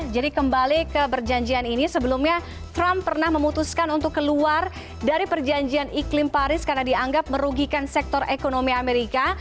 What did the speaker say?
jadi kembali ke perjanjian ini sebelumnya trump pernah memutuskan untuk keluar dari perjanjian iklim paris karena dianggap merugikan sektor ekonomi amerika